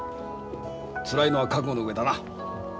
つらいのは覚悟の上だな。